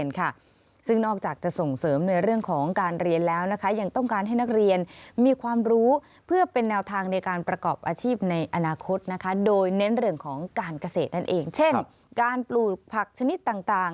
โดยเน้นเรื่องของการเกษตรนั่นเองเช่นการปลูกผักชนิดต่าง